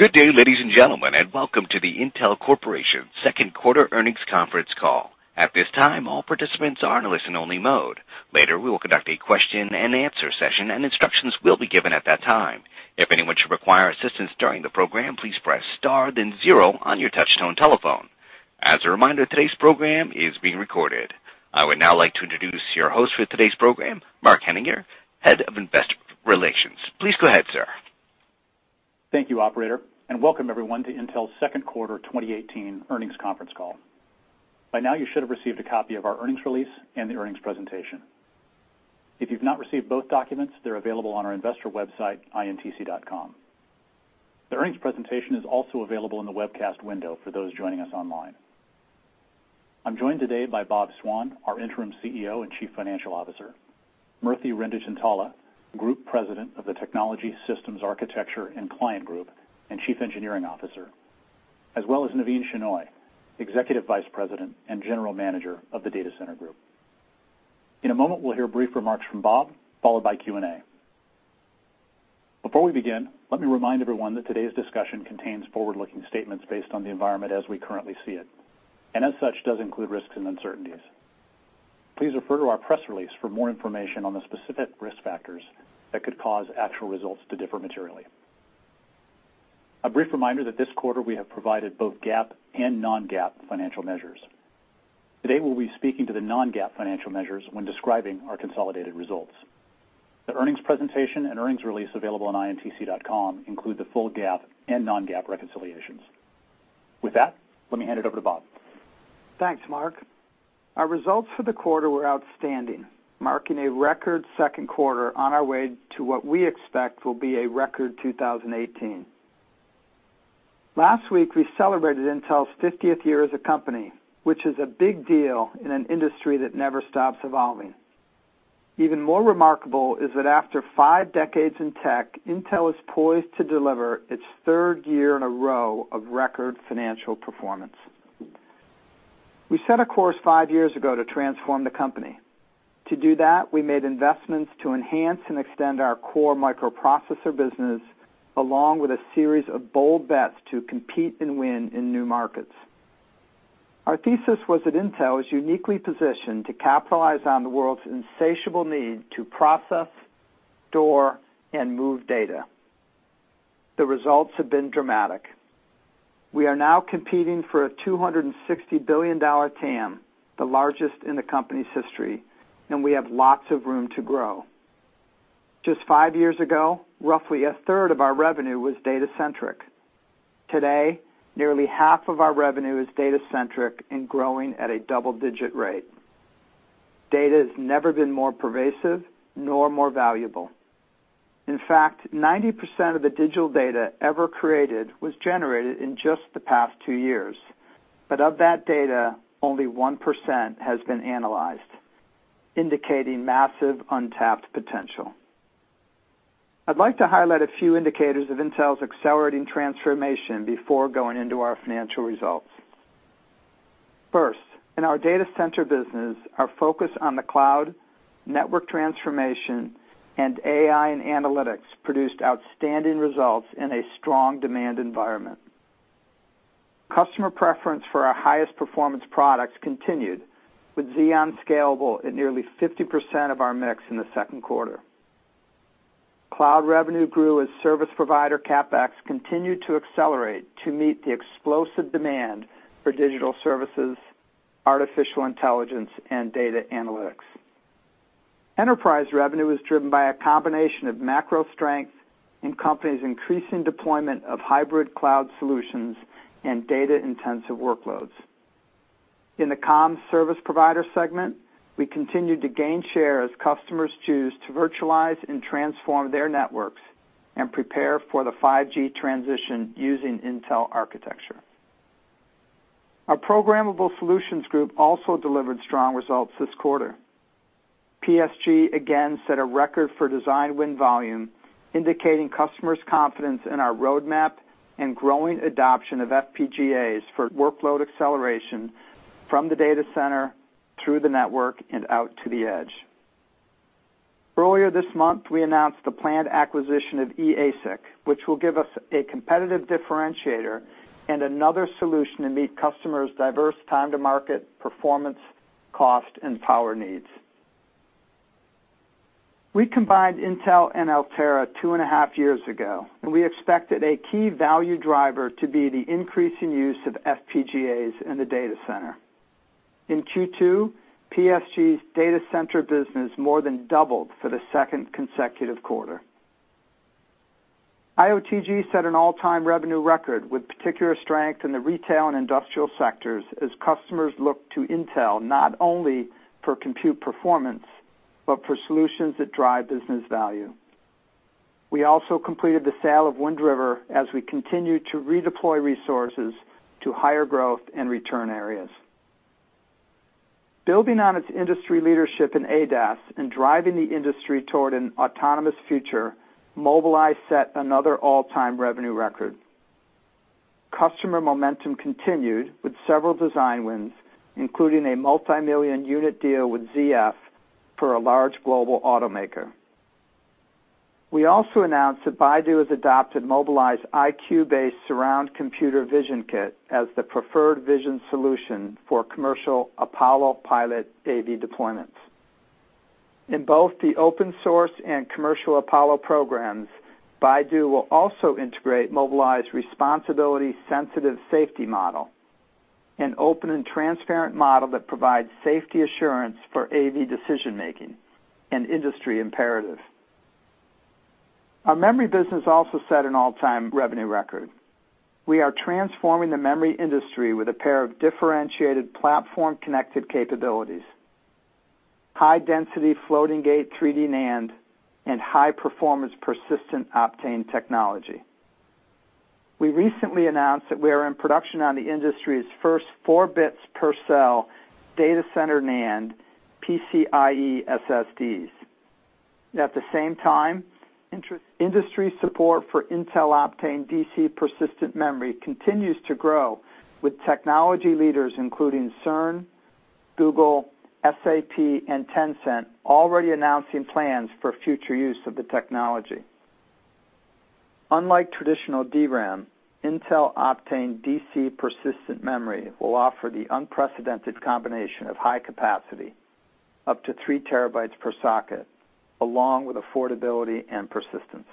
Good day, ladies and gentlemen, and welcome to the Intel Corporation second quarter earnings conference call. At this time, all participants are in listen-only mode. Later, we will conduct a question and answer session and instructions will be given at that time. If anyone should require assistance during the program, please press star then 0 on your touch-tone telephone. As a reminder, today's program is being recorded. I would now like to introduce your host for today's program, Mark Henninger, Head of Investor Relations. Please go ahead, sir. Thank you, operator, and welcome everyone to Intel's second quarter 2018 earnings conference call. By now, you should have received a copy of our earnings release and the earnings presentation. If you've not received both documents, they're available on our investor website, intc.com. The earnings presentation is also available in the webcast window for those joining us online. I'm joined today by Bob Swan, our Interim CEO and Chief Financial Officer, Murthy Renduchintala, Group President of the Technology, Systems Architecture and Client Group, and Chief Engineering Officer, as well as Navin Shenoy, Executive Vice President and General Manager of the Data Center Group. In a moment, we'll hear brief remarks from Bob, followed by Q&A. Before we begin, let me remind everyone that today's discussion contains forward-looking statements based on the environment as we currently see it, and as such, does include risks and uncertainties. Please refer to our press release for more information on the specific risk factors that could cause actual results to differ materially. A brief reminder that this quarter we have provided both GAAP and non-GAAP financial measures. Today, we'll be speaking to the non-GAAP financial measures when describing our consolidated results. The earnings presentation and earnings release available on intc.com include the full GAAP and non-GAAP reconciliations. With that, let me hand it over to Bob. Thanks, Mark. Our results for the quarter were outstanding, marking a record second quarter on our way to what we expect will be a record 2018. Last week, we celebrated Intel's 50th year as a company, which is a big deal in an industry that never stops evolving. Even more remarkable is that after five decades in tech, Intel is poised to deliver its third year in a row of record financial performance. We set a course five years ago to transform the company. To do that, we made investments to enhance and extend our core microprocessor business, along with a series of bold bets to compete and win in new markets. Our thesis was that Intel is uniquely positioned to capitalize on the world's insatiable need to process, store, and move data. The results have been dramatic. We are now competing for a $260 billion TAM, the largest in the company's history. We have lots of room to grow. Just five years ago, roughly a third of our revenue was data centric. Today, nearly half of our revenue is data centric and growing at a double-digit rate. Data has never been more pervasive nor more valuable. In fact, 90% of the digital data ever created was generated in just the past two years. Of that data, only 1% has been analyzed, indicating massive untapped potential. I'd like to highlight a few indicators of Intel's accelerating transformation before going into our financial results. First, in our data center business, our focus on the cloud, network transformation, and AI and analytics produced outstanding results in a strong demand environment. Customer preference for our highest performance products continued with Xeon Scalable at nearly 50% of our mix in the second quarter. Cloud revenue grew as service provider CapEx continued to accelerate to meet the explosive demand for digital services, artificial intelligence, and data analytics. Enterprise revenue was driven by a combination of macro strength and companies increasing deployment of hybrid cloud solutions and data-intensive workloads. In the comm service provider segment, we continued to gain share as customers choose to virtualize and transform their networks and prepare for the 5G transition using Intel architecture. Our Programmable Solutions Group also delivered strong results this quarter. PSG again set a record for design win volume, indicating customers' confidence in our roadmap and growing adoption of FPGAs for workload acceleration from the data center, through the network, and out to the edge. Earlier this month, we announced the planned acquisition of eASIC, which will give us a competitive differentiator and another solution to meet customers' diverse time to market performance, cost, and power needs. We combined Intel and Altera two and a half years ago. We expected a key value driver to be the increasing use of FPGAs in the data center. In Q2, PSG's data center business more than doubled for the second consecutive quarter. IOTG set an all-time revenue record with particular strength in the retail and industrial sectors as customers look to Intel not only for compute performance, but for solutions that drive business value. We also completed the sale of Wind River as we continue to redeploy resources to higher growth and return areas. Building on its industry leadership in ADAS and driving the industry toward an autonomous future, Mobileye set another all-time revenue record. Customer momentum continued with several design wins, including a multimillion-unit deal with ZF for a large global automaker. We also announced that Baidu has adopted Mobileye's EyeQ-based surround computer vision kit as the preferred vision solution for commercial Apollo pilot AV deployments. In both the open source and commercial Apollo programs, Baidu will also integrate Mobileye's Responsibility-Sensitive Safety model, an open and transparent model that provides safety assurance for AV decision-making, an industry imperative. Our memory business also set an all-time revenue record. We are transforming the memory industry with a pair of differentiated platform-connected capabilities, high-density floating-gate 3D NAND, and high-performance persistent Optane technology. We recently announced that we are in production on the industry's first four bits per cell data center NAND PCIe SSDs. At the same time, industry support for Intel Optane DC persistent memory continues to grow with technology leaders, including CERN, Google, SAP, and Tencent already announcing plans for future use of the technology. Unlike traditional DRAM, Intel Optane DC persistent memory will offer the unprecedented combination of high capacity, up to 3 terabytes per socket, along with affordability and persistence.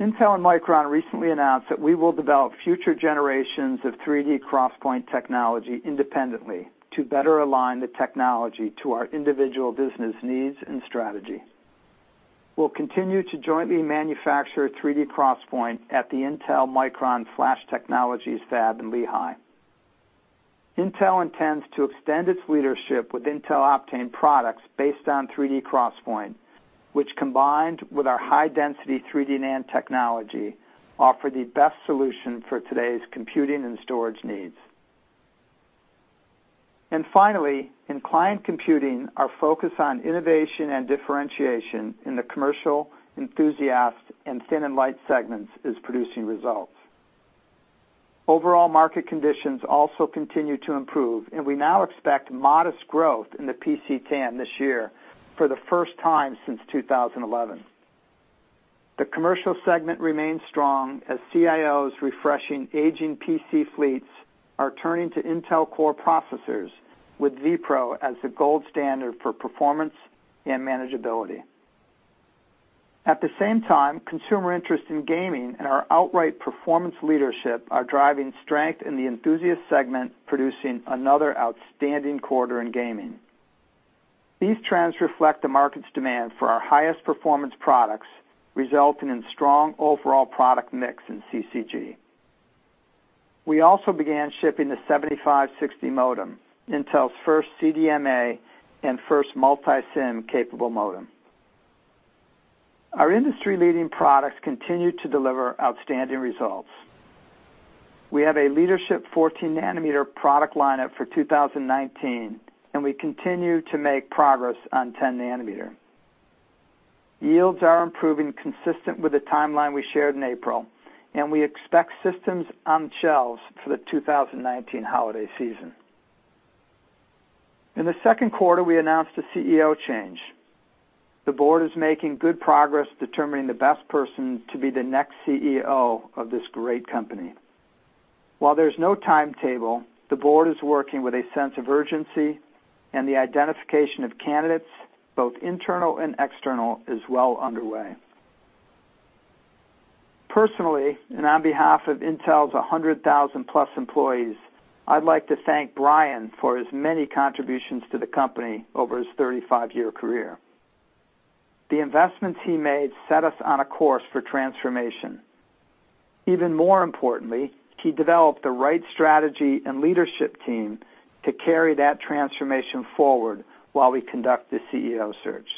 Intel and Micron recently announced that we will develop future generations of 3D XPoint technology independently to better align the technology to our individual business needs and strategy. We'll continue to jointly manufacture 3D XPoint at the Intel Micron Flash Technologies fab in Lehi. Intel intends to extend its leadership with Intel Optane products based on 3D XPoint, which, combined with our high-density 3D NAND technology, offer the best solution for today's computing and storage needs. Finally, in client computing, our focus on innovation and differentiation in the commercial, enthusiast, and thin and light segments is producing results. Overall market conditions also continue to improve, and we now expect modest growth in the PC TAM this year for the first time since 2011. The commercial segment remains strong as CIOs refreshing aging PC fleets are turning to Intel Core processors with vPro as the gold standard for performance and manageability. At the same time, consumer interest in gaming and our outright performance leadership are driving strength in the enthusiast segment, producing another outstanding quarter in gaming. These trends reflect the market's demand for our highest performance products, resulting in strong overall product mix in CCG. We also began shipping the 7560 modem, Intel's first CDMA and first multi-SIM-capable modem. Our industry-leading products continue to deliver outstanding results. We have a leadership 14-nanometer product lineup for 2019, and we continue to make progress on 10 nanometer. Yields are improving consistent with the timeline we shared in April, and we expect systems on shelves for the 2019 holiday season. In the second quarter, we announced a CEO change. The board is making good progress determining the best person to be the next CEO of this great company. While there's no timetable, the board is working with a sense of urgency, and the identification of candidates, both internal and external, is well underway. Personally, and on behalf of Intel's 100,000-plus employees, I'd like to thank Brian for his many contributions to the company over his 35-year career. The investments he made set us on a course for transformation. Even more importantly, he developed the right strategy and leadership team to carry that transformation forward while we conduct the CEO search.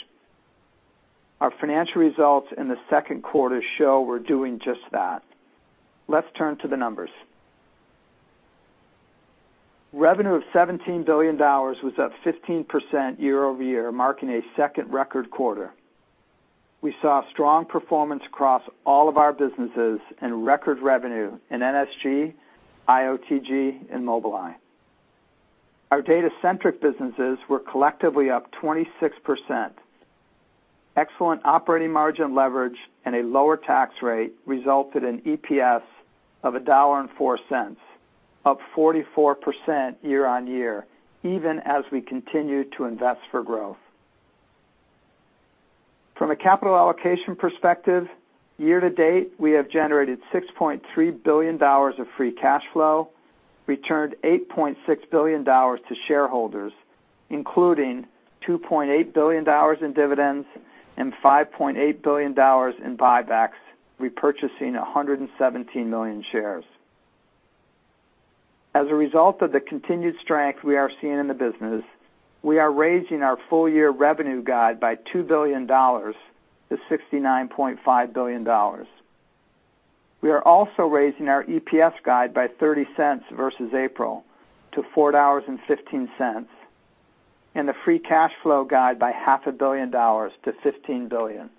Our financial results in the second quarter show we're doing just that. Let's turn to the numbers. Revenue of $17 billion was up 15% year-over-year, marking a second record quarter. We saw strong performance across all of our businesses and record revenue in NSG, IOTG, and Mobileye. Our data-centric businesses were collectively up 26%. Excellent operating margin leverage and a lower tax rate resulted in EPS of $1.04, up 44% year-on-year, even as we continue to invest for growth. From a capital allocation perspective, year to date, we have generated $6.3 billion of free cash flow, returned $8.6 billion to shareholders, including $2.8 billion in dividends and $5.8 billion in buybacks, repurchasing 117 million shares. As a result of the continued strength we are seeing in the business, we are raising our full-year revenue guide by $2 billion to $69.5 billion. We are also raising our EPS guide by $0.30 versus April to $4.15. The free cash flow guide by half a billion dollars to $15 billion.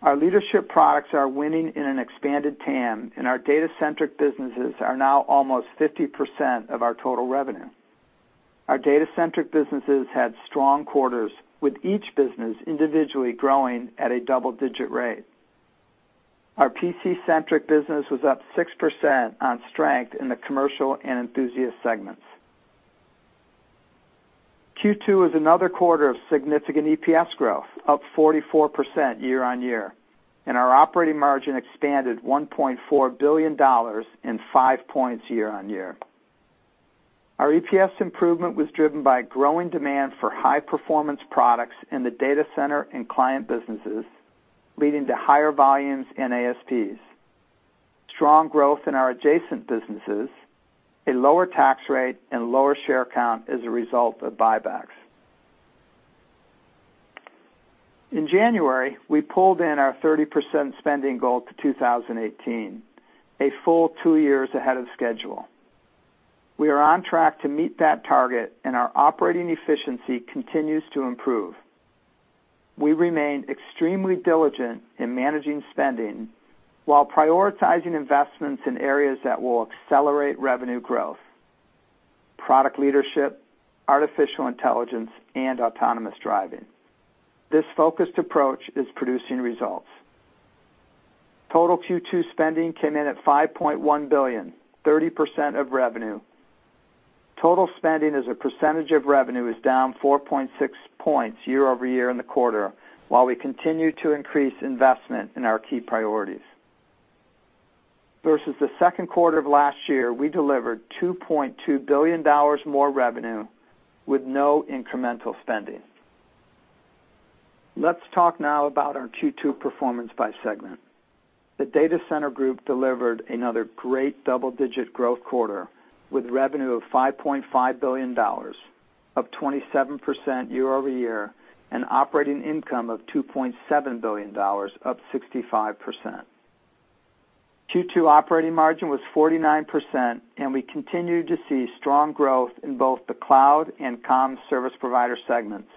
Our leadership products are winning in an expanded TAM, and our data-centric businesses are now almost 50% of our total revenue. Our data-centric businesses had strong quarters, with each business individually growing at a double-digit rate. Our PC-centric business was up 6% on strength in the commercial and enthusiast segments. Q2 is another quarter of significant EPS growth, up 44% year-over-year, and our operating margin expanded $1.4 billion and 5 points year-over-year. Our EPS improvement was driven by growing demand for high-performance products in the data center and client businesses, leading to higher volumes and ASPs, strong growth in our adjacent businesses, a lower tax rate, and lower share count as a result of buybacks. In January, we pulled in our 30% spending goal to 2018, a full two years ahead of schedule. We are on track to meet that target, and our operating efficiency continues to improve. We remain extremely diligent in managing spending while prioritizing investments in areas that will accelerate revenue growth, product leadership, artificial intelligence, and autonomous driving. This focused approach is producing results. Total Q2 spending came in at $5.1 billion, 30% of revenue. Total spending as a percentage of revenue is down 4.6 points year-over-year in the quarter, while we continue to increase investment in our key priorities. Versus the second quarter of last year, we delivered $2.2 billion more revenue with no incremental spending. Let's talk now about our Q2 performance by segment. The Data Center Group delivered another great double-digit growth quarter, with revenue of $5.5 billion, up 27% year-over-year, and operating income of $2.7 billion, up 65%. Q2 operating margin was 49%, and we continue to see strong growth in both the cloud and comm service provider segments,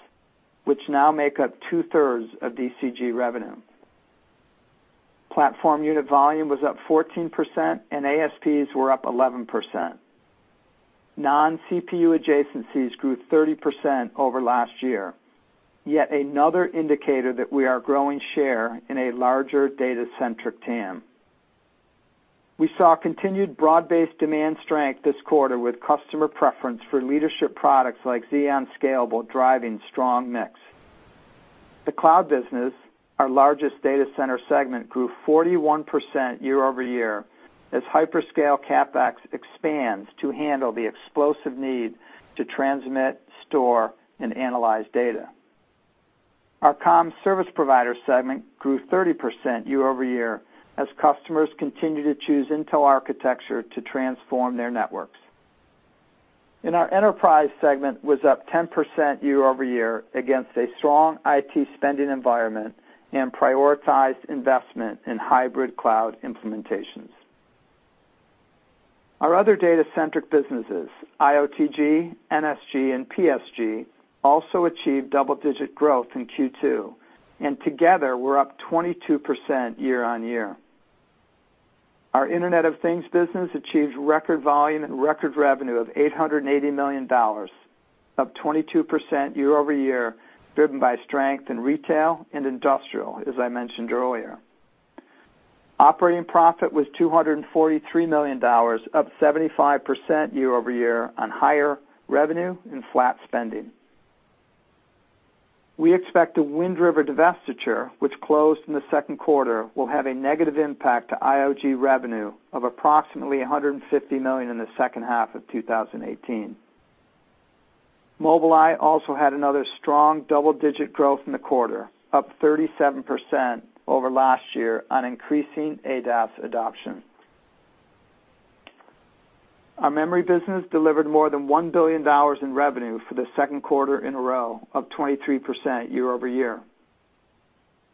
which now make up two-thirds of DCG revenue. Platform unit volume was up 14%, and ASPs were up 11%. Non-CPU adjacencies grew 30% over last year, yet another indicator that we are growing share in a larger data-centric TAM. We saw continued broad-based demand strength this quarter with customer preference for leadership products like Xeon Scalable driving strong mix. The cloud business, our largest data center segment, grew 41% year-over-year as hyperscale CapEx expands to handle the explosive need to transmit, store, and analyze data. Our comm service provider segment grew 30% year-over-year as customers continue to choose Intel architecture to transform their networks. Our enterprise segment was up 10% year-over-year against a strong IT spending environment and prioritized investment in hybrid cloud implementations. Our other data-centric businesses, IOTG, NSG, and PSG, also achieved double-digit growth in Q2, and together, were up 22% year-over-year. Our Internet of Things business achieved record volume and record revenue of $880 million, up 22% year-over-year, driven by strength in retail and industrial, as I mentioned earlier. Operating profit was $243 million, up 75% year-over-year on higher revenue and flat spending. We expect the Wind River divestiture, which closed in the second quarter, will have a negative impact to IOTG revenue of approximately $150 million in the second half of 2018. Mobileye also had another strong double-digit growth in the quarter, up 37% over last year on increasing ADAS adoption. Our memory business delivered more than $1 billion in revenue for the second quarter in a row, up 23% year-over-year.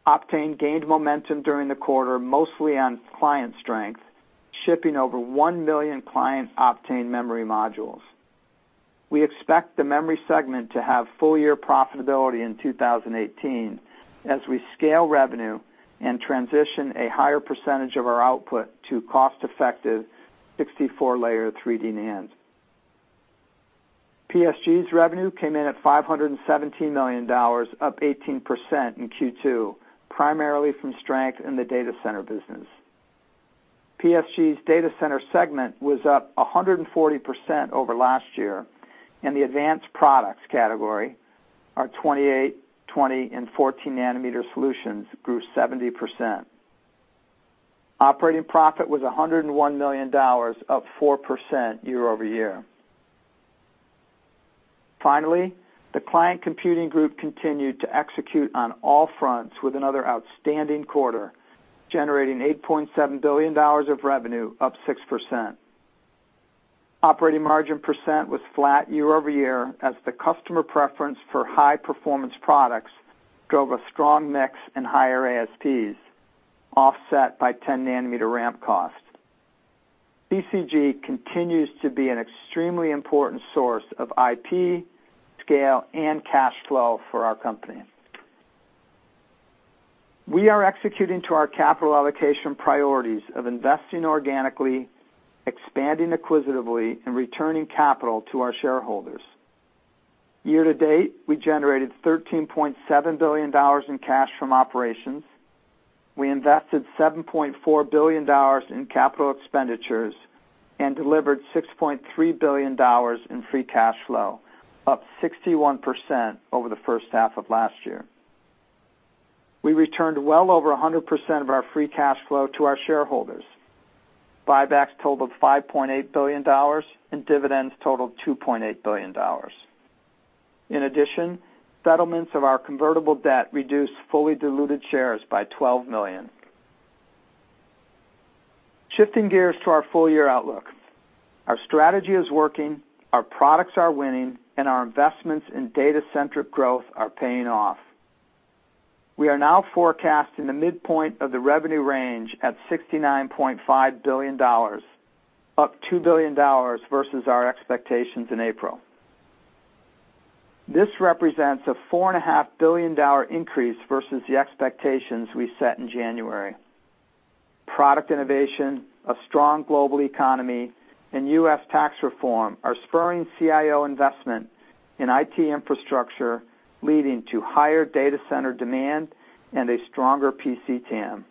Optane gained momentum during the quarter, mostly on client strength, shipping over 1 million client Optane memory modules. We expect the memory segment to have full-year profitability in 2018 as we scale revenue and transition a higher percentage of our output to cost-effective 64-layer 3D NAND. PSG's revenue came in at $517 million, up 18% in Q2, primarily from strength in the data center business. PSG's data center segment was up 140% over last year, and the advanced products category, our 28, 20, and 14-nanometer solutions grew 70%. Operating profit was $101 million, up 4% year-over-year. The Client Computing Group continued to execute on all fronts with another outstanding quarter, generating $8.7 billion of revenue, up 6%. Operating margin percent was flat year-over-year as the customer preference for high-performance products drove a strong mix in higher ASPs, offset by 10 nanometer ramp costs. CCG continues to be an extremely important source of IP, scale, and cash flow for our company. We are executing to our capital allocation priorities of investing organically, expanding acquisitively, and returning capital to our shareholders. Year-to-date, we generated $13.7 billion in cash from operations. We invested $7.4 billion in capital expenditures and delivered $6.3 billion in free cash flow, up 61% over the first half of last year. We returned well over 100% of our free cash flow to our shareholders. Buybacks totaled $5.8 billion and dividends totaled $2.8 billion. In addition, settlements of our convertible debt reduced fully diluted shares by 12 million. Shifting gears to our full-year outlook. Our strategy is working, our products are winning, and our investments in data-centric growth are paying off. We are now forecasting the midpoint of the revenue range at $69.5 billion, up $2 billion versus our expectations in April. This represents a $4.5 billion increase versus the expectations we set in January. Product innovation, a strong global economy, and U.S. tax reform are spurring CIO investment in IT infrastructure, leading to higher data center demand and a stronger PC TAM.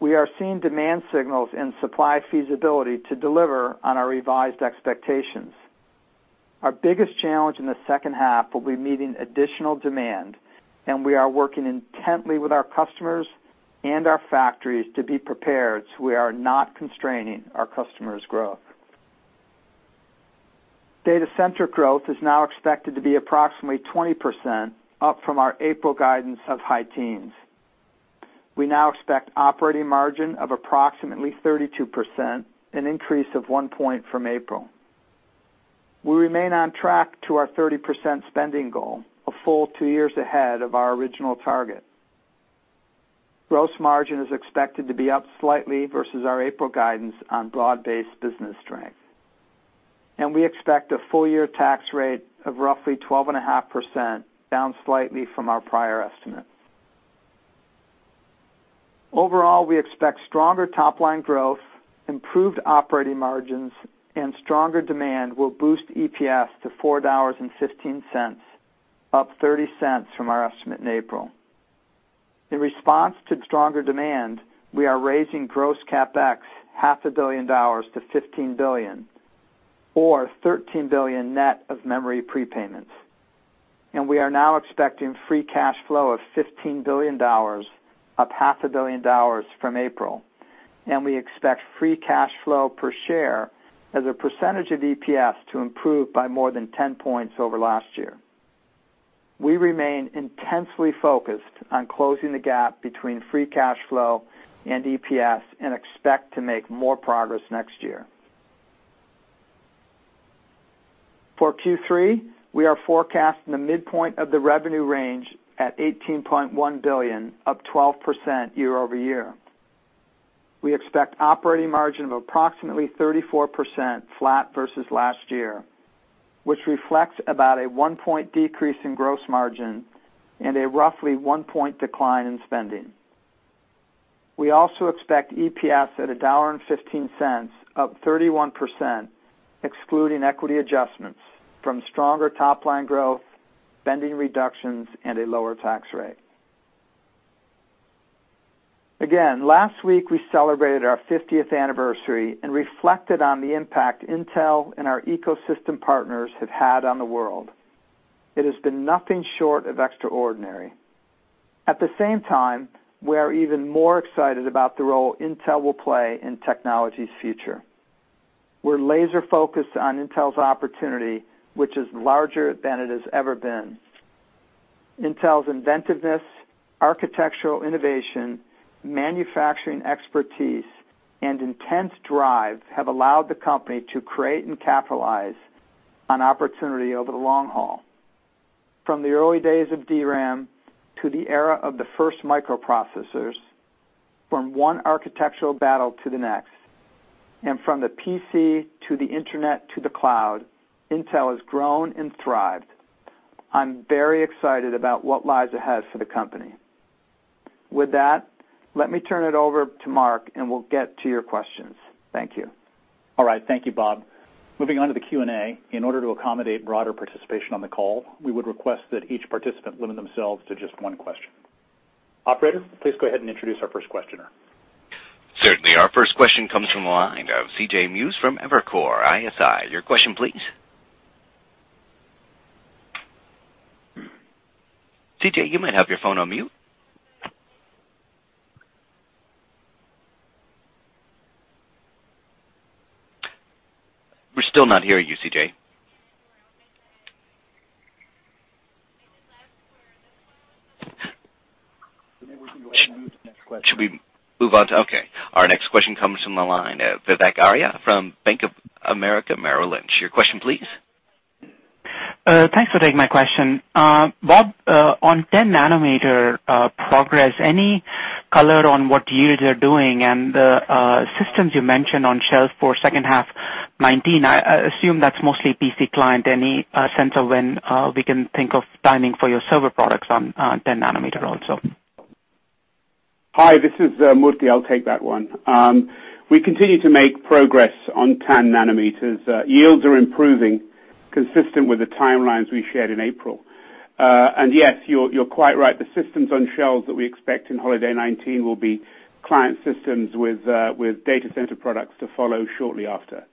We are seeing demand signals and supply feasibility to deliver on our revised expectations. Our biggest challenge in the second half will be meeting additional demand. We are working intently with our customers and our factories to be prepared so we are not constraining our customers' growth. Data center growth is now expected to be approximately 20%, up from our April guidance of high teens. We now expect operating margin of approximately 32%, an increase of one point from April. We remain on track to our 30% spending goal, a full two years ahead of our original target. Gross margin is expected to be up slightly versus our April guidance on broad-based business strength. We expect a full-year tax rate of roughly 12.5%, down slightly from our prior estimate. Overall, we expect stronger top-line growth, improved operating margins, and stronger demand will boost EPS to $4.15, up $0.30 from our estimate in April. In response to stronger demand, we are raising gross CapEx half a billion dollars to $15 billion, or $13 billion net of memory prepayments. We are now expecting free cash flow of $15 billion, up half a billion dollars from April. We expect free cash flow per share as a percentage of EPS to improve by more than 10 points over last year. We remain intensely focused on closing the gap between free cash flow and EPS and expect to make more progress next year. For Q3, we are forecasting the midpoint of the revenue range at $18.1 billion, up 12% year-over-year. We expect operating margin of approximately 34%, flat versus last year, which reflects about a one point decrease in gross margin and a roughly one point decline in spending. We also expect EPS at $1.15, up 31%, excluding equity adjustments from stronger top-line growth, spending reductions, and a lower tax rate. Again, last week, we celebrated our 50th anniversary and reflected on the impact Intel and our ecosystem partners have had on the world. It has been nothing short of extraordinary. At the same time, we are even more excited about the role Intel will play in technology's future. We're laser-focused on Intel's opportunity, which is larger than it has ever been. Intel's inventiveness, architectural innovation, manufacturing expertise, and intense drive have allowed the company to create and capitalize on opportunity over the long haul. From the early days of DRAM to the era of the first microprocessors, from one architectural battle to the next, and from the PC to the internet to the cloud, Intel has grown and thrived. I'm very excited about what lies ahead for the company. With that, let me turn it over to Mark, and we'll get to your questions. Thank you. All right. Thank you, Bob. Moving on to the Q&A. In order to accommodate broader participation on the call, we would request that each participant limit themselves to just one question. Operator, please go ahead and introduce our first questioner. Certainly. Our first question comes from the line of C.J. Muse from Evercore ISI. Your question, please. C.J., you might have your phone on mute. We're still not hearing you, C.J. Maybe we can go ahead and move to the next question. Should we move on? Okay. Our next question comes from the line of Vivek Arya from Bank of America Merrill Lynch. Your question, please. Thanks for taking my question. Bob, on 10 nanometer progress, any color on what yields are doing and the systems you mentioned on shelf for second half 2019, I assume that's mostly PC client. Any sense of when we can think of timing for your server products on 10 nanometer also? Hi, this is Murthy. I'll take that one. We continue to make progress on 10 nanometers. Yields are improving consistent with the timelines we shared in April. Yes, you're quite right. The systems on shelves that we expect in holiday 2019 will be client systems with data center products to follow shortly after.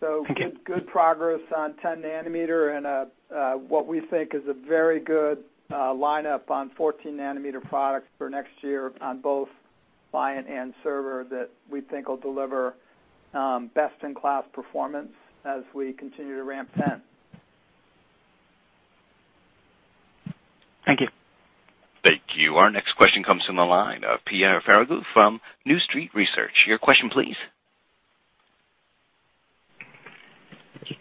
Thank you. Good progress on 10 nanometer and what we think is a very good lineup on 14-nanometer products for next year on both client and server that we think will deliver best-in-class performance as we continue to ramp 10. Thank you. Thank you. Our next question comes from the line of Pierre Ferragu from New Street Research. Your question, please.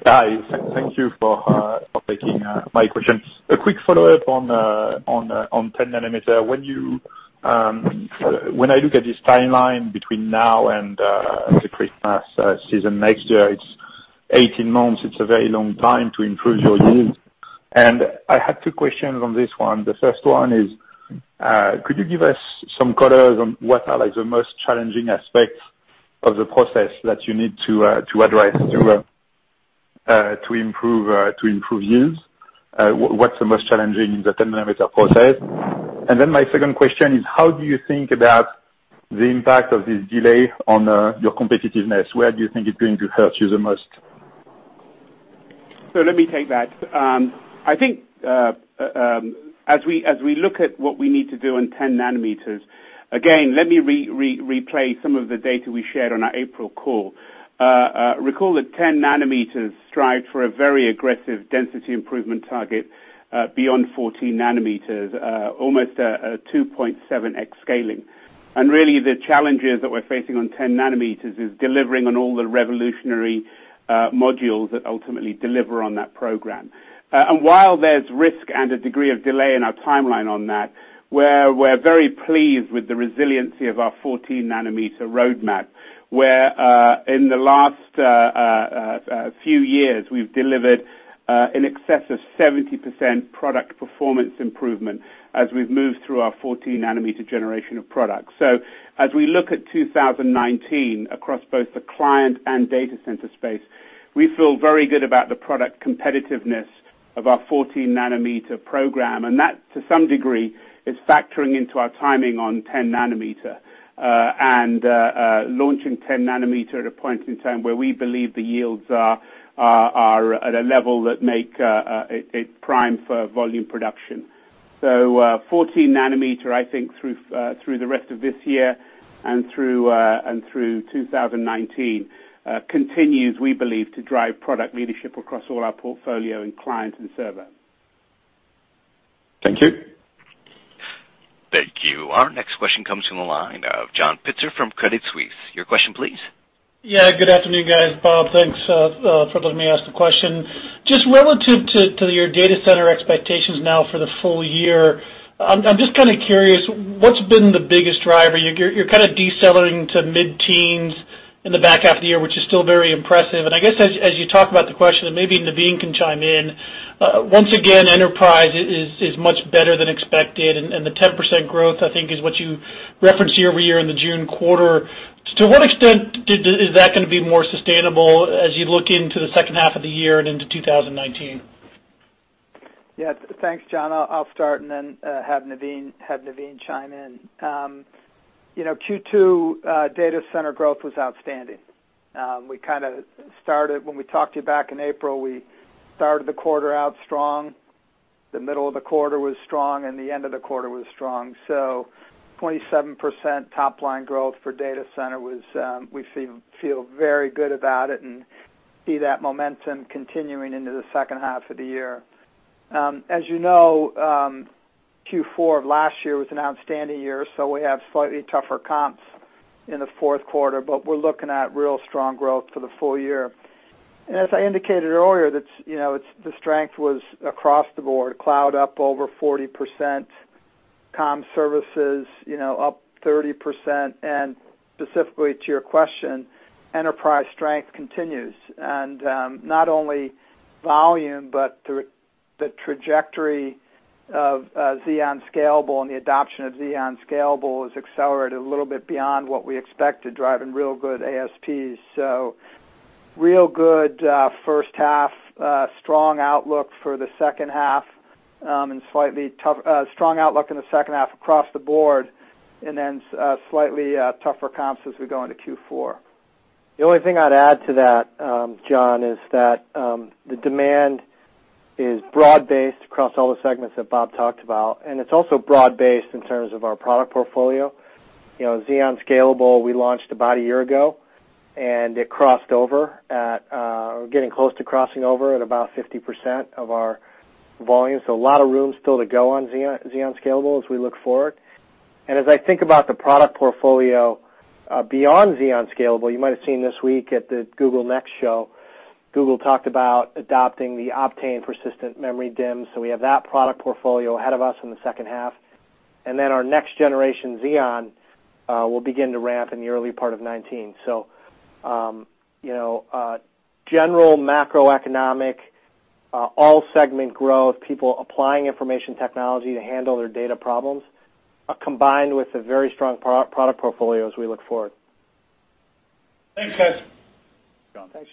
Hi. Thank you for taking my question. A quick follow-up on 10 nanometer. When I look at this timeline between now and the Christmas season next year, it's 18 months. It's a very long time to improve your yields. I had two questions on this one. The first one is, could you give us some colors on what are the most challenging aspects of the process that you need to address to improve yields? What's the most challenging in the 10 nanometer process? My second question is, how do you think about the impact of this delay on your competitiveness? Where do you think it's going to hurt you the most? Let me take that. I think as we look at what we need to do on 10 nanometers, again, let me replay some of the data we shared on our April call. Recall that 10 nanometers strive for a very aggressive density improvement target beyond 14 nanometers, almost a 2.7x scaling. Really the challenges that we're facing on 10 nanometers is delivering on all the revolutionary modules that ultimately deliver on that program. While there's risk and a degree of delay in our timeline on that, we're very pleased with the resiliency of our 14 nanometer roadmap, where in the last few years, we've delivered in excess of 70% product performance improvement as we've moved through our 14 nanometer generation of products. As we look at 2019 across both the client and data center space, we feel very good about the product competitiveness of our 14 nanometer program, and that, to some degree, is factoring into our timing on 10 nanometer, and launching 10 nanometer at a point in time where we believe the yields are at a level that make it prime for volume production. 14 nanometer, I think, through the rest of this year and through 2019, continues, we believe, to drive product leadership across all our portfolio in client and server. Thank you. Thank you. Our next question comes from the line of John Pitzer from Credit Suisse. Your question, please. Yeah, good afternoon, guys. Bob, thanks for letting me ask the question. Just relative to your data center expectations now for the full year, I'm just curious, what's been the biggest driver? You're decelerating to mid-teens in the back half of the year, which is still very impressive. I guess as you talk about the question, and maybe Navin can chime in, once again, enterprise is much better than expected, and the 10% growth, I think, is what you referenced year-over-year in the June quarter. To what extent is that going to be more sustainable as you look into the second half of the year and into 2019? Yeah. Thanks, John. I'll start and then have Navin chime in. Q2 data center growth was outstanding. When we talked to you back in April, we started the quarter out strong, the middle of the quarter was strong, and the end of the quarter was strong. 27% top-line growth for data center, we feel very good about it and see that momentum continuing into the second half of the year. As you know Q4 of last year was an outstanding year, so we have slightly tougher comps in the fourth quarter, but we're looking at real strong growth for the full year. As I indicated earlier, the strength was across the board. Cloud up over 40%, comm services up 30%. Specifically to your question, enterprise strength continues. Not only volume, but the trajectory of Xeon Scalable and the adoption of Xeon Scalable has accelerated a little bit beyond what we expected, driving real good ASPs. Real good first half, strong outlook for the second half, strong outlook in the second half across the board, then slightly tougher comps as we go into Q4. The only thing I'd add to that, John, is that the demand is broad-based across all the segments that Bob talked about, and it's also broad-based in terms of our product portfolio. Xeon Scalable, we launched about a year ago, and it crossed over at or getting close to crossing over at about 50% of our volume. A lot of room still to go on Xeon Scalable as we look forward. As I think about the product portfolio Beyond Xeon Scalable, you might have seen this week at the Google Next show, Google talked about adopting the Optane persistent memory DIMMs, so we have that product portfolio ahead of us in the second half. Our next generation Xeon will begin to ramp in the early part of 2019. General macroeconomic, all segment growth, people applying information technology to handle their data problems, combined with the very strong product portfolio as we look forward. Thanks, guys. Thanks,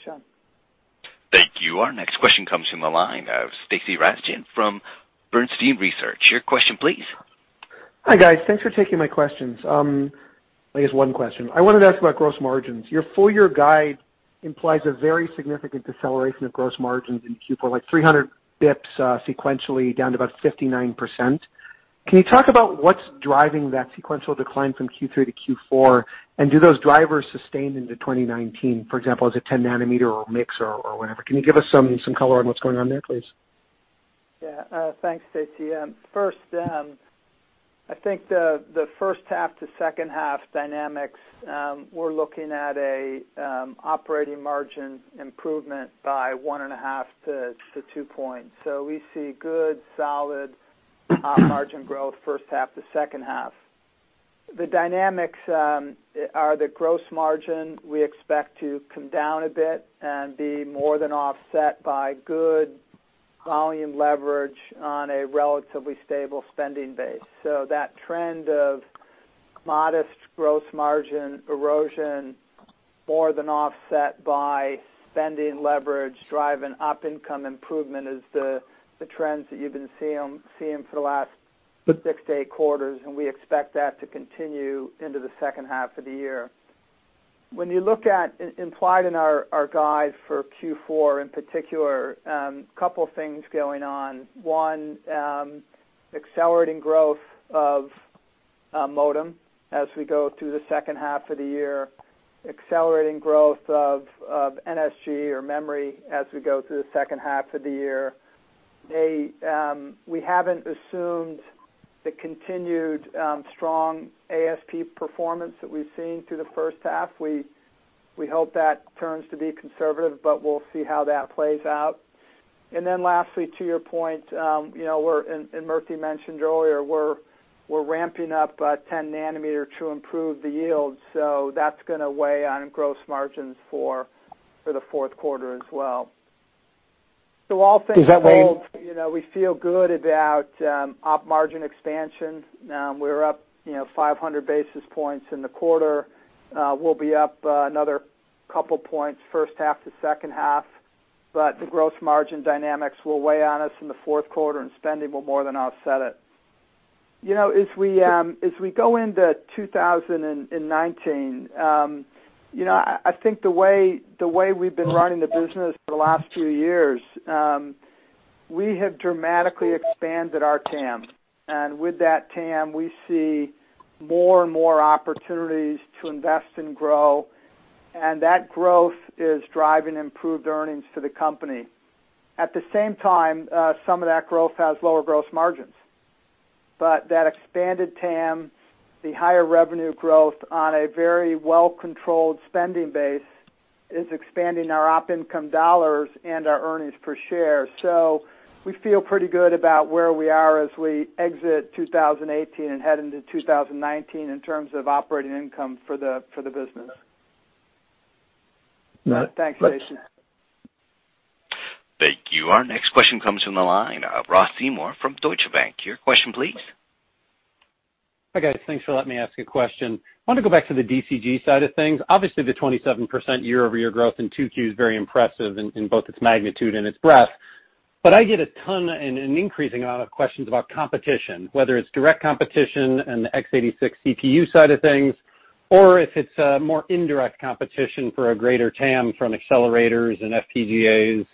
John. Thank you. Our next question comes from the line of Stacy Rasgon from Bernstein Research. Your question, please. Hi, guys. Thanks for taking my questions. I guess one question. I wanted to ask about gross margins. Your full-year guide implies a very significant deceleration of gross margins in Q4, like 300 basis points sequentially, down to about 59%. Can you talk about what's driving that sequential decline from Q3 to Q4, and do those drivers sustain into 2019, for example, as a 10 nanometer or mix or whatever? Can you give us some color on what's going on there, please? Thanks, Stacy. First, I think the first half to second half dynamics, we're looking at an operating margin improvement by one and a half to two points. We see good, solid op margin growth first half to second half. The dynamics are the gross margin we expect to come down a bit and be more than offset by good volume leverage on a relatively stable spending base. That trend of modest gross margin erosion, more than offset by spending leverage, driving op income improvement is the trends that you've been seeing for the last six to eight quarters, and we expect that to continue into the second half of the year. When you look at, implied in our guide for Q4 in particular, couple things going on. One, accelerating growth of modem as we go through the second half of the year. Accelerating growth of NSG or memory as we go through the second half of the year. We haven't assumed the continued strong ASP performance that we've seen through the first half. We hope that turns to be conservative, but we'll see how that plays out. Lastly, to your point, and Murthy mentioned earlier, we're ramping up 10 nanometer to improve the yield. That's going to weigh on gross margins for the fourth quarter as well. Does that mean? We feel good about op margin expansion. We're up 500 basis points in the quarter. We'll be up another couple points first half to second half, but the gross margin dynamics will weigh on us in the fourth quarter, and spending will more than offset it. As we go into 2019, I think the way we've been running the business for the last few years, we have dramatically expanded our TAM. With that TAM, we see more and more opportunities to invest and grow, and that growth is driving improved earnings for the company. At the same time, some of that growth has lower gross margins. That expanded TAM, the higher revenue growth on a very well-controlled spending base, is expanding our op income dollars and our earnings per share. We feel pretty good about where we are as we exit 2018 and head into 2019 in terms of operating income for the business. Got it. Thanks, Stacy. Thank you. Our next question comes from the line of Ross Seymore from Deutsche Bank. Your question please. Hi, guys. Thanks for letting me ask a question. I want to go back to the DCG side of things. Obviously, the 27% year-over-year growth in 2Q is very impressive in both its magnitude and its breadth. I get a ton and an increasing amount of questions about competition, whether it's direct competition in the x86 CPU side of things, or if it's a more indirect competition for a greater TAM from accelerators and FPGAs,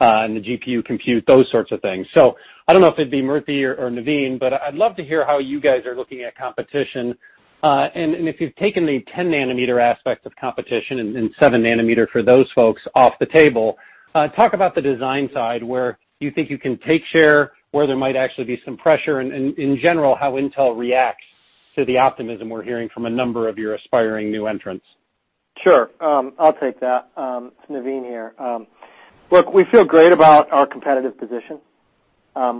and the GPU compute, those sorts of things. I don't know if it'd be Murthy or Navin, but I'd love to hear how you guys are looking at competition. If you've taken the 10 nanometer aspect of competition, and 7 nanometer for those folks, off the table, talk about the design side, where you think you can take share, where there might actually be some pressure, and in general, how Intel reacts to the optimism we're hearing from a number of your aspiring new entrants. Sure. I'll take that. It's Navin here. Look, we feel great about our competitive position.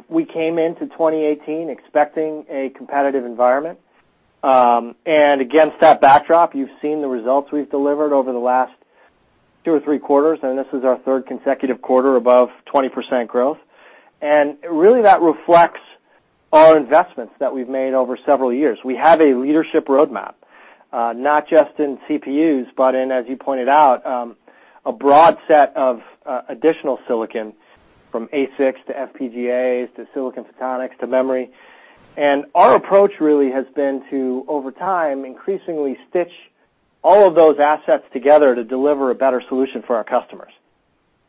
We came into 2018 expecting a competitive environment. Against that backdrop, you've seen the results we've delivered over the last two or three quarters, and this is our third consecutive quarter above 20% growth. Really that reflects our investments that we've made over several years. We have a leadership roadmap, not just in CPUs, but in, as you pointed out, a broad set of additional silicon, from ASICs to FPGAs to silicon photonics to memory. Our approach really has been to, over time, increasingly stitch all of those assets together to deliver a better solution for our customers.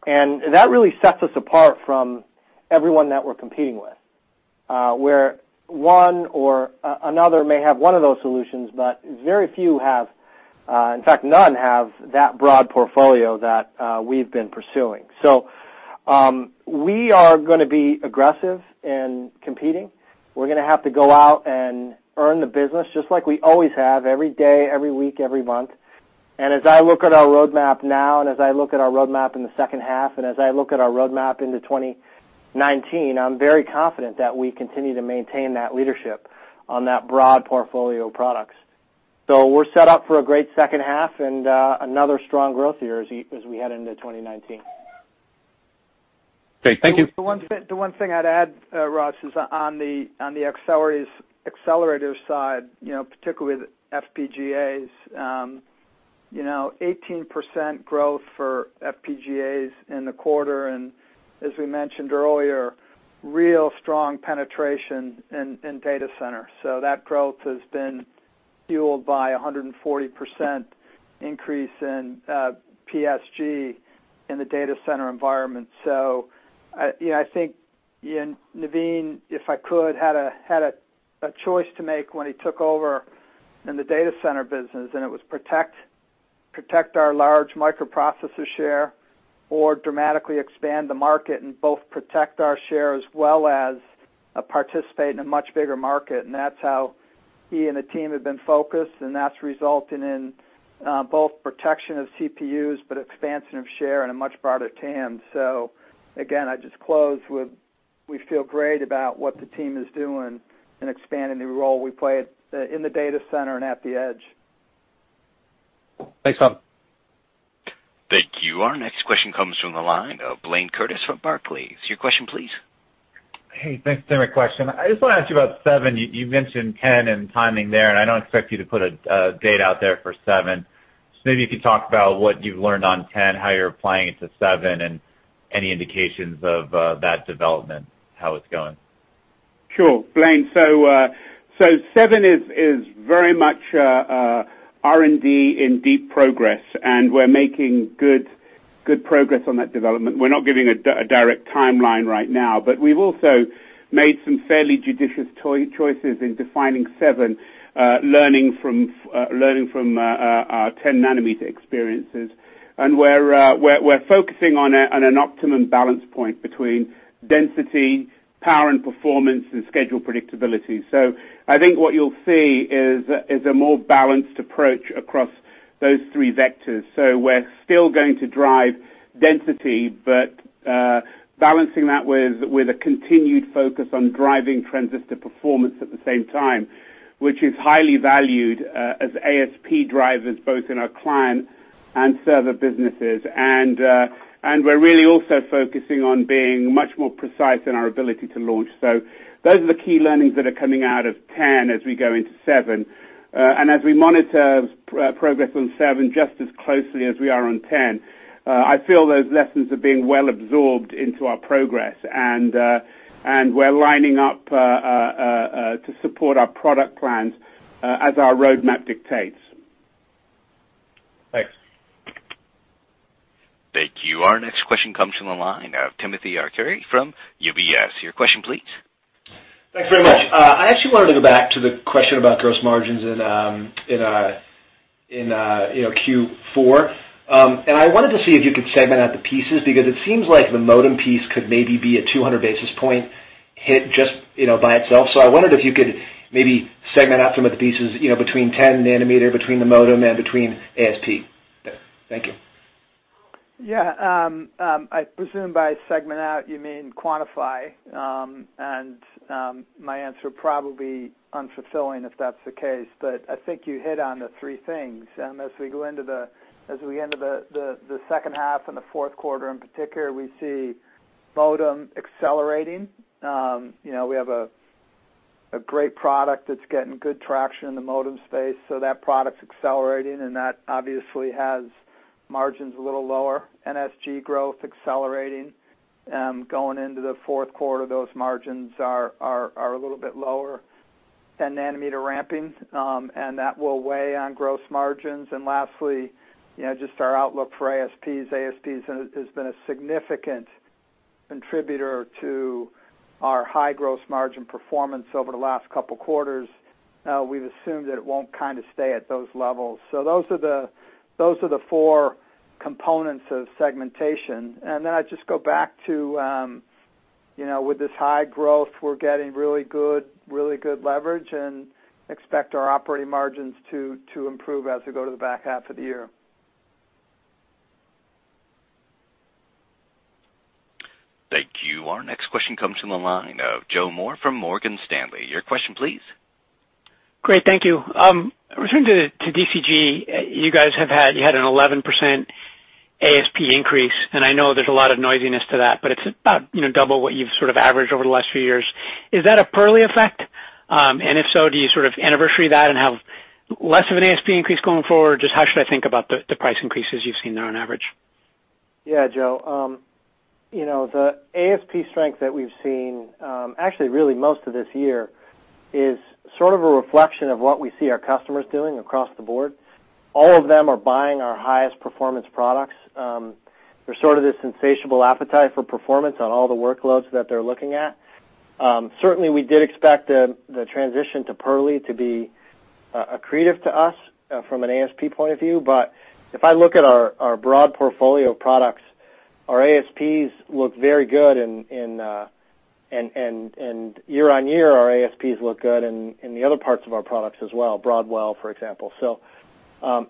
That really sets us apart from everyone that we're competing with, where one or another may have one of those solutions, but very few have, in fact, none have that broad portfolio that we've been pursuing. We are gonna be aggressive in competing. We're gonna have to go out and earn the business, just like we always have every day, every week, every month. As I look at our roadmap now, as I look at our roadmap in the second half, and as I look at our roadmap into 2019, I'm very confident that we continue to maintain that leadership on that broad portfolio of products. We're set up for a great second half and another strong growth year as we head into 2019. Great. Thank you. The one thing I'd add, Ross, is on the accelerators side, particularly with FPGAs, 18% growth for FPGAs in the quarter. As we mentioned earlier, real strong penetration in data center. That growth has been fueled by 140% increase in PSG in the data center environment. I think Navin, if I could, had a choice to make when he took over in the data center business. It was protect our large microprocessor share or dramatically expand the market and both protect our share as well as participate in a much bigger market. That's how he and the team have been focused. That's resulting in both protection of CPUs, but expansion of share in a much broader TAM. Again, I just close with we feel great about what the team is doing in expanding the role we play in the data center and at the edge. Thanks, Bob. Thank you. Our next question comes from the line of Blayne Curtis from Barclays. Your question, please. Hey, thanks. My question, I just want to ask you about 7. You mentioned 10 and timing there, and I don't expect you to put a date out there for 7. Maybe you could talk about what you've learned on 10, how you're applying it to 7, and any indications of that development, how it's going. Sure. Blayne, 7 is very much R&D in deep progress, and we're making good progress on that development. We're not giving a direct timeline right now, but we've also made some fairly judicious choices in defining 7, learning from our 10 nanometer experiences. We're focusing on an optimum balance point between density, power, and performance, and schedule predictability. I think what you'll see is a more balanced approach across those three vectors. We're still going to drive density, but balancing that with a continued focus on driving transistor performance at the same time, which is highly valued as ASP drivers, both in our client and server businesses. We're really also focusing on being much more precise in our ability to launch. Those are the key learnings that are coming out of 10 as we go into 7. As we monitor progress on 7 just as closely as we are on 10, I feel those lessons are being well absorbed into our progress, and we're lining up to support our product plans as our roadmap dictates. Thanks. Thank you. Our next question comes from the line of Timothy Arcuri from UBS. Your question please. Thanks very much. I actually wanted to go back to the question about gross margins in Q4. I wanted to see if you could segment out the pieces, because it seems like the modem piece could maybe be a 200 basis point hit just by itself. I wondered if you could maybe segment out some of the pieces between 10 nanometer, between the modem, and between ASP. Thank you. Yeah. I presume by segment out you mean quantify, my answer will probably be unfulfilling if that's the case. I think you hit on the three things, as we go into the second half and the fourth quarter in particular, we see modem accelerating. We have a great product that's getting good traction in the modem space, that product's accelerating, that obviously has margins a little lower. NSG growth accelerating. Going into the fourth quarter, those margins are a little bit lower. 10 nanometer ramping, that will weigh on gross margins. Lastly, just our outlook for ASPs. ASPs has been a significant contributor to our high gross margin performance over the last couple of quarters. We've assumed that it won't stay at those levels. Those are the four components of segmentation. I'd just go back to, with this high growth, we're getting really good leverage and expect our operating margins to improve as we go to the back half of the year. Thank you. Our next question comes from the line of Joseph Moore from Morgan Stanley. Your question, please. Great. Thank you. Returning to DCG, you guys have had an 11% ASP increase, and I know there's a lot of noisiness to that, but it's about double what you've sort of averaged over the last few years. Is that a Purley effect? If so, do you sort of anniversary that and have less of an ASP increase going forward? How should I think about the price increases you've seen there on average? Yeah, Joe. The ASP strength that we've seen, actually really most of this year, is sort of a reflection of what we see our customers doing across the board. All of them are buying our highest performance products. There's sort of this insatiable appetite for performance on all the workloads that they're looking at. Certainly, we did expect the transition to Purley to be accretive to us from an ASP point of view. If I look at our broad portfolio of products, our ASPs look very good, and year-on-year, our ASPs look good in the other parts of our products as well. Broadwell, for example.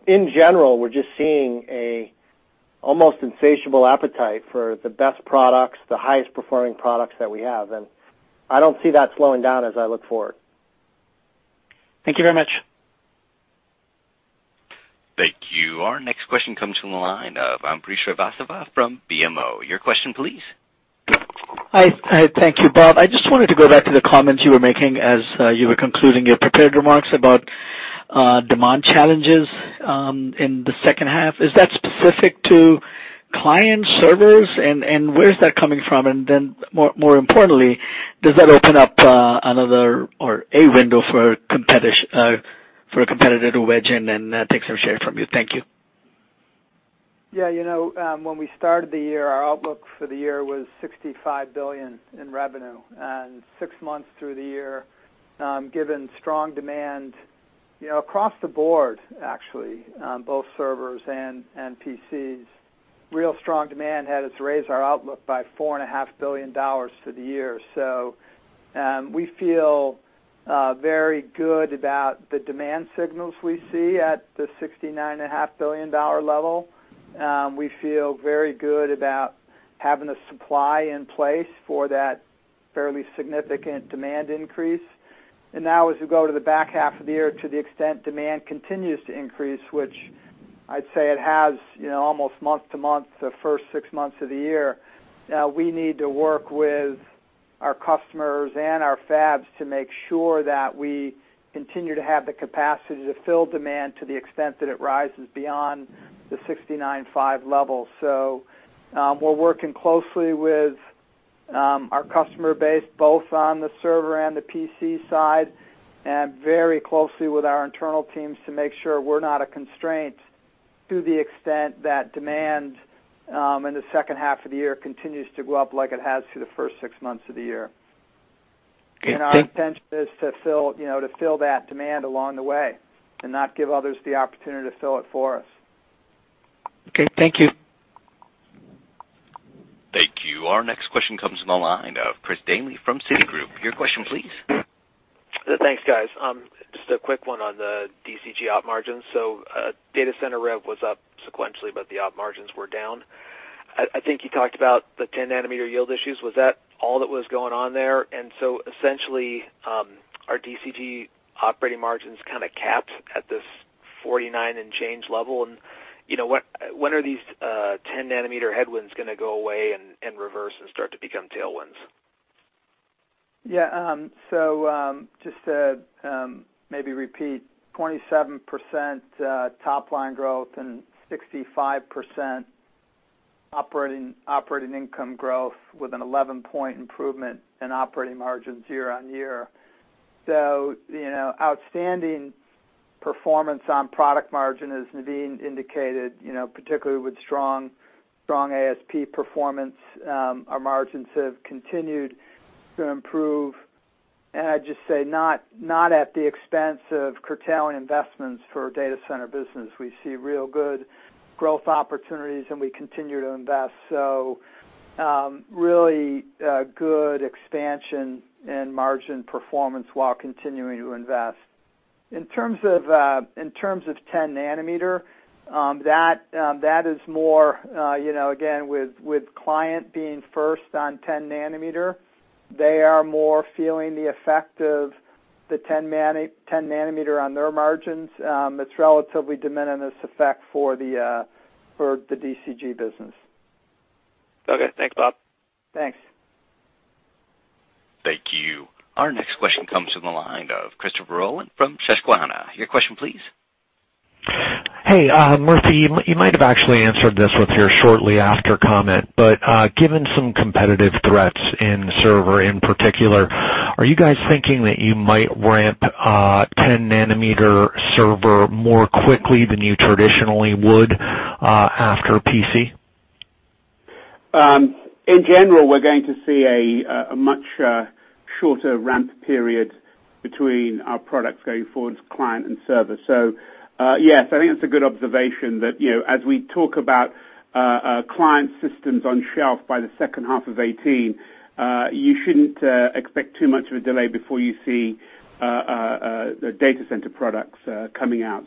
In general, we're just seeing an almost insatiable appetite for the best products, the highest-performing products that we have, and I don't see that slowing down as I look forward. Thank you very much. Thank you. Our next question comes from the line of Ambrish Srivastava from BMO. Your question, please. Hi. Thank you, Bob. I just wanted to go back to the comments you were making as you were concluding your prepared remarks about demand challenges in the second half. Is that specific to client servers, and where is that coming from? More importantly, does that open up another or a window for a competitor to wedge in and take some share from you? Thank you. When we started the year, our outlook for the year was $65 billion in revenue. 6 months through the year, given strong demand across the board, actually, both servers and PCs, real strong demand had us raise our outlook by $4.5 billion for the year. We feel very good about the demand signals we see at the $69.5 billion level. We feel very good about having the supply in place for that fairly significant demand increase. Now, as we go to the back half of the year, to the extent demand continues to increase, which I'd say it has almost month to month the first 6 months of the year, we need to work with our customers and our fabs to make sure that we continue to have the capacity to fill demand to the extent that it rises beyond the $69.5 level. We're working closely with our customer base, both on the server and the PC side, and very closely with our internal teams to make sure we're not a constraint to the extent that demand in the second half of the year continues to go up like it has for the first 6 months of the year. Okay, thank you. Our intention is to fill that demand along the way and not give others the opportunity to fill it for us. Okay, thank you. Thank you. Our next question comes from the line of Chris Danely from Citigroup. Your question please. Thanks, guys. Just a quick one on the DCG op margins. Data center rev was up sequentially, but the op margins were down. I think you talked about the 10 nanometer yield issues. Was that all that was going on there? Essentially, are DCG operating margins kind of capped at this 49 and change level? When are these 10 nanometer headwinds going to go away and reverse and start to become tailwinds? Yeah. Just to maybe repeat, 27% top-line growth and 65% operating income growth with an 11-point improvement in operating margins year-on-year. Outstanding performance on product margin, as Navin indicated, particularly with strong ASP performance, our margins have continued to improve, and I'd just say not at the expense of curtailing investments for data center business. We see real good growth opportunities, and we continue to invest. Really good expansion and margin performance while continuing to invest. In terms of 10 nanometer, that is more, again, with client being first on 10 nanometer, they are more feeling the effect of the 10 nanometer on their margins. It's relatively de minimis effect for the DCG business. Okay. Thanks, Bob. Thanks. Thank you. Our next question comes from the line of Christopher Rolland from Susquehanna. Your question, please. Hey, Murthy. You might have actually answered this with your shortly after comment, but given some competitive threats in server, in particular, are you guys thinking that you might ramp 10 nanometer server more quickly than you traditionally would after PC? In general, we're going to see a much shorter ramp period between our products going forward to client and server. Yes, I think that's a good observation that as we talk about client systems on shelf by the second half of 2019, you shouldn't expect too much of a delay before you see the Data Center products coming out.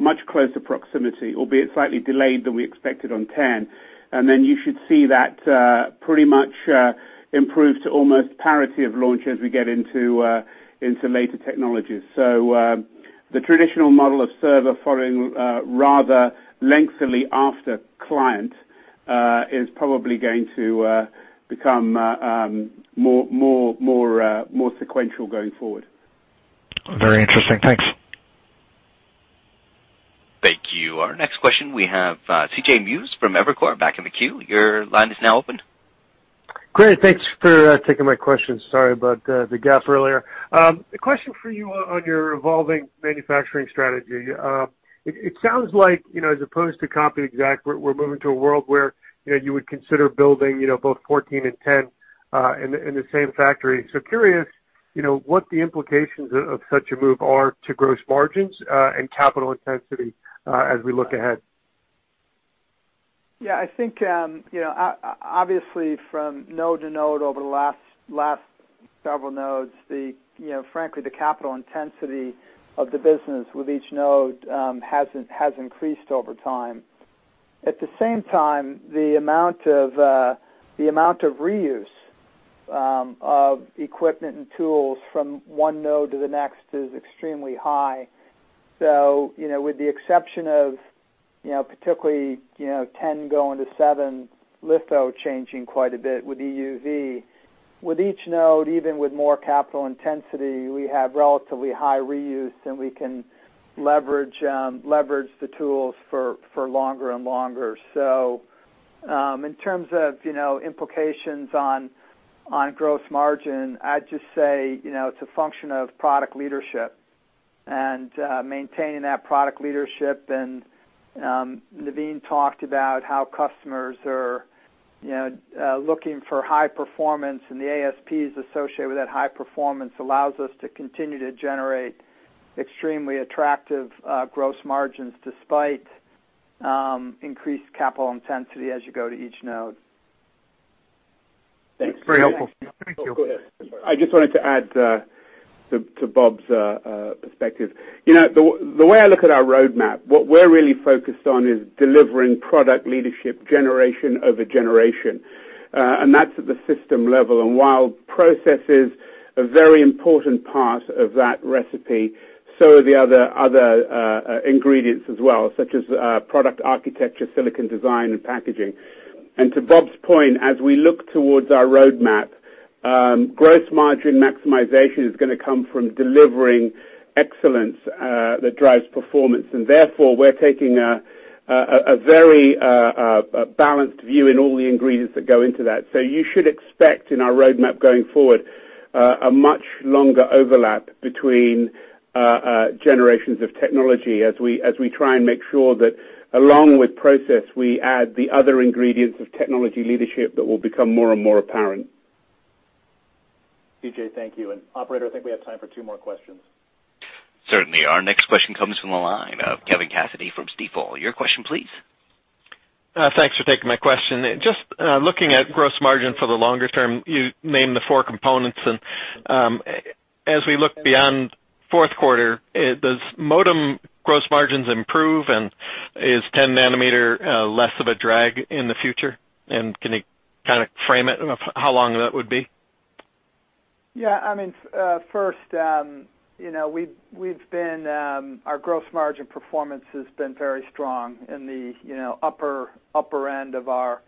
Much closer proximity, albeit slightly delayed than we expected on 10. Then you should see that pretty much improve to almost parity of launch as we get into later technologies. The traditional model of server following rather lengthily after client is probably going to become more sequential going forward. Very interesting. Thanks. Thank you. Our next question, we have C.J. Muse from Evercore back in the queue. Your line is now open. Great. Thanks for taking my question. Sorry about the gap earlier. A question for you on your evolving manufacturing strategy. It sounds like as opposed to Copy Exactly, we're moving to a world where you would consider building both 14 and 10 in the same factory. Curious, what the implications of such a move are to gross margins and capital intensity as we look ahead. I think, obviously from node to node over the last several nodes, frankly the capital intensity of the business with each node has increased over time. At the same time, the amount of reuse of equipment and tools from one node to the next is extremely high. With the exception of, particularly, 10 going to 7, litho changing quite a bit with EUV. With each node, even with more capital intensity, we have relatively high reuse, and we can leverage the tools for longer and longer. In terms of implications on gross margin, I'd just say, it's a function of product leadership and maintaining that product leadership. Navin talked about how customers are looking for high performance, and the ASPs associated with that high performance allows us to continue to generate extremely attractive gross margins despite increased capital intensity as you go to each node. Thanks. Very helpful. Thank you. Go ahead, I'm sorry. I just wanted to add to Bob's perspective. The way I look at our roadmap, what we're really focused on is delivering product leadership generation over generation. That's at the system level. While process is a very important part of that recipe, so are the other ingredients as well, such as product architecture, silicon design, and packaging. To Bob's point, as we look towards our roadmap, gross margin maximization is going to come from delivering excellence that drives performance. Therefore, we're taking a very balanced view in all the ingredients that go into that. You should expect in our roadmap going forward, a much longer overlap between generations of technology as we try and make sure that along with process, we add the other ingredients of technology leadership that will become more and more apparent. C.J., thank you. Operator, I think we have time for two more questions. Certainly. Our next question comes from the line of Kevin Cassidy from Stifel. Your question, please. Thanks for taking my question. Just looking at gross margin for the longer term, you named the four components, as we look beyond fourth quarter, does modem gross margins improve and is 10 nanometer less of a drag in the future? Can you kind of frame it of how long that would be? First, our gross margin performance has been very strong in the upper end of our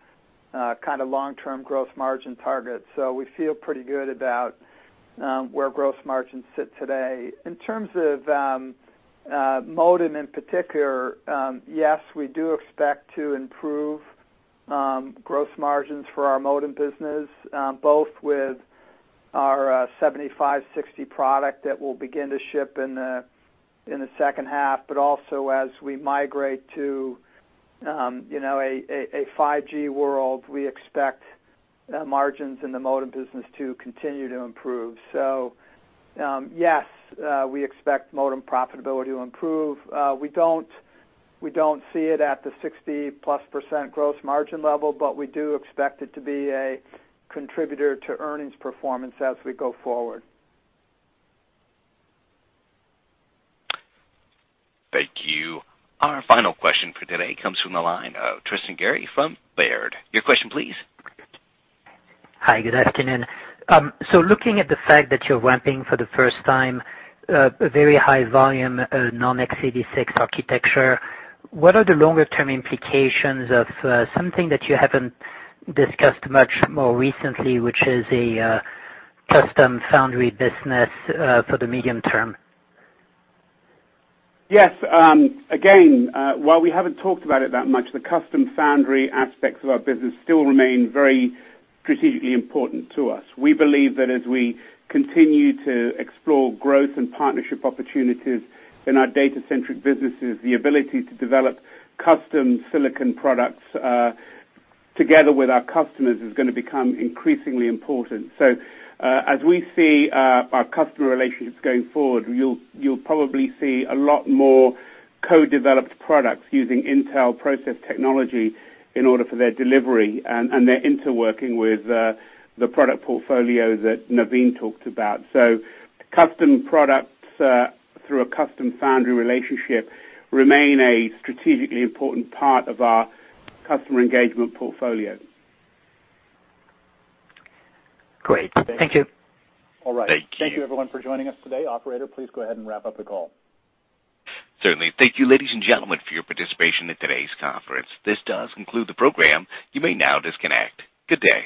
long-term gross margin target. We feel pretty good about where gross margins sit today. In terms of modem in particular, yes, we do expect to improve gross margins for our modem business, both with our 7560 product that we'll begin to ship in the second half, but also as we migrate to a 5G world, we expect margins in the modem business to continue to improve. Yes, we expect modem profitability to improve. We don't see it at the 60-plus% gross margin level, but we do expect it to be a contributor to earnings performance as we go forward. Thank you. Our final question for today comes from the line of Tristan Gerra from Baird. Your question, please. Hi, good afternoon. Looking at the fact that you're ramping for the first time a very high volume non-x86 architecture, what are the longer-term implications of something that you haven't discussed much more recently, which is a custom foundry business for the medium term? Again, while we haven't talked about it that much, the custom foundry aspects of our business still remain very strategically important to us. We believe that as we continue to explore growth and partnership opportunities in our data-centric businesses, the ability to develop custom silicon products, together with our customers, is going to become increasingly important. As we see our customer relationships going forward, you'll probably see a lot more co-developed products using Intel process technology in order for their delivery and their interworking with the product portfolio that Navin talked about. Custom products through a custom foundry relationship remain a strategically important part of our customer engagement portfolio. Great. Thank you. All right. Thank you. Thank you, everyone, for joining us today. Operator, please go ahead and wrap up the call. Certainly. Thank you, ladies and gentlemen, for your participation in today's conference. This does conclude the program. You may now disconnect. Good day.